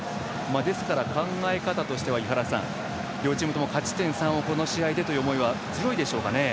ですから、考え方としては両チームとも勝ち点３をこの試合でという思いは強いですかね？